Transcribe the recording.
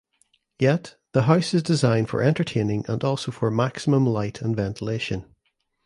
Yet the house is designed for entertaining and also for maximum light and ventilation.